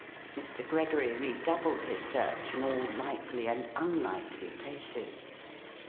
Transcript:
Mr. Gregory redoubled his search in all likely and unlikely places.